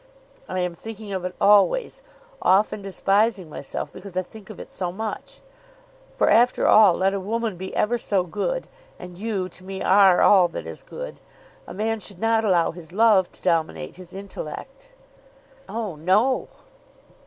I am thinking of it always, often despising myself because I think of it so much. For, after all, let a woman be ever so good, and you to me are all that is good, a man should not allow his love to dominate his intellect." "Oh, no!"